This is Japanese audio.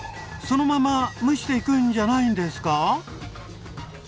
そのまま蒸していくんじゃないんですか？